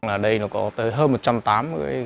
ở đây có tới hơn một trăm tám mươi